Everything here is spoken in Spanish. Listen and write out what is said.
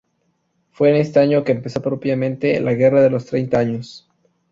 Fue en este año que empezó propiamente la Guerra de los Treinta Años.